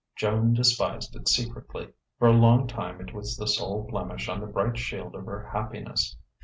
Joan despised it secretly. For a long time it was the sole blemish on the bright shield of her happiness....